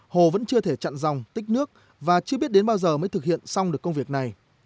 hồ vẫn chưa thể chặn dòng tích nước và chưa biết đến bao giờ mới thực hiện xong được công việc này